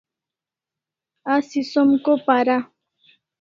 Asi som ko para?